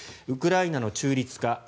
ウクライナの中立化